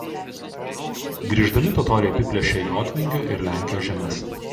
Grįždami totoriai apiplėšė jotvingių ir Lenkijos žemes.